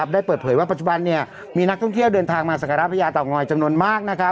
ได้เปิดเผยว่าปัจจุบันมีนักท่องเที่ยวเดินทางมาสักการะพญาเต่างอยจำนวนมาก